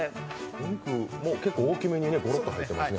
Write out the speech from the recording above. お肉、結構大きめにごろっと入っていますね。